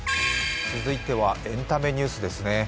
続いてはエンタメニュースですね。